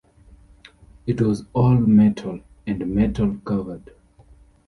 It was all-metal and metal-covered.